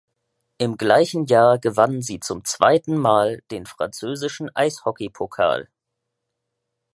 Im gleichen Jahr gewannen sie zum zweiten Mal den französischen Eishockeypokal.